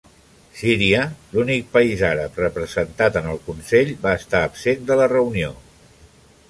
Síria, l'únic país àrab representat en el consell, va estar absent de la reunió.